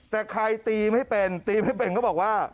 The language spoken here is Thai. แต่ใครตีไม่เป็นตีไม่เป็นก็บอกว่า